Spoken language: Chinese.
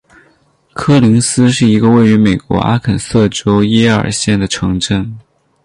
科林斯是一个位于美国阿肯色州耶尔县的城镇。